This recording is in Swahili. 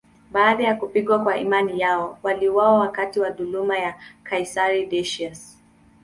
Baada ya kupigwa kwa imani yao, waliuawa wakati wa dhuluma ya kaisari Decius.